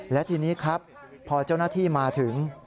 และทีนี้ครับพอเจ้าหน้าที่มาถึง